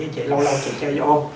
chạy lâu lâu chạy chơi vô ôm